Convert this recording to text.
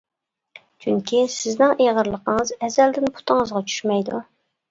چۈنكى سىزنىڭ ئېغىرلىقىڭىز ئەزەلدىن پۇتىڭىزغا چۈشمەيدۇ.